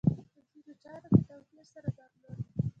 په ځینو چارو کې توپیر سره درلود.